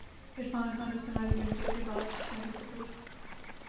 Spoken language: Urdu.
عرفان خان اور سونالی بیندر ے کے بعد شاہد کپور